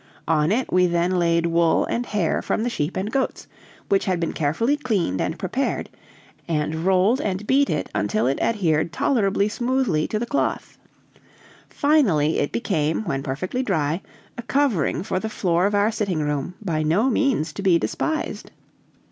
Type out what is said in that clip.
On it we then laid wool and hair from the sheep and goats, which had been carefully cleaned and prepared, and rolled and beat it until it adhered tolerably smoothly to the cloth. Finally it became, when perfectly dry, a covering for the floor of our sitting room by no means to be despised.